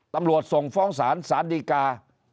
ตำรวจส่งฟ้องสารสาธิกา